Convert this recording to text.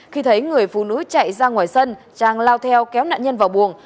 khi thấy người phụ nữ chạy ra ngoài sân trang lao theo kéo nạn nhân vào buồng